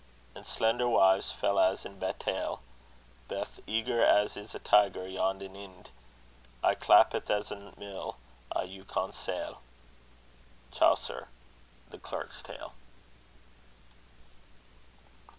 And slender wives, fell as in battaile, Beth eager, as is a tiger, yond in Inde; Aye clappith as a mill, I you counsaile. CHAUCER. The Clerk's Tale.